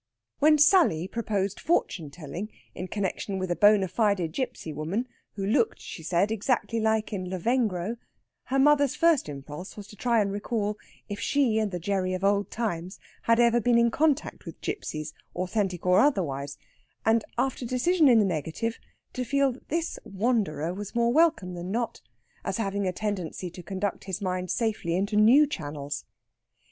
When Sally proposed fortune telling in connexion with a bona fide gipsy woman, who looked (she said) exactly like in "Lavengro," her mother's first impulse was to try and recall if she and the Gerry of old times had ever been in contact with gipsies, authentic or otherwise, and, after decision in the negative, to feel that this wanderer was more welcome than not, as having a tendency to conduct his mind safely into new channels.